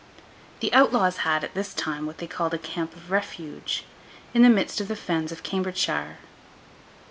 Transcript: The outlaws had, at this time, what they called a Camp of Refuge, in the midst of the fens of Cambridgeshire.